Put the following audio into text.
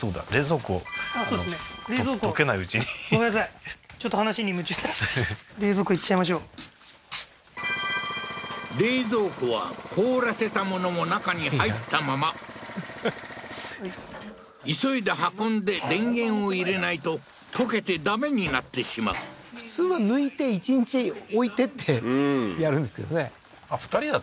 あっそうですね冷蔵庫冷蔵庫は凍らせたものも中に入ったまま急いで運んで電源を入れないと溶けてダメになってしまう普通は抜いて一日置いてってやるんですけどねはははっ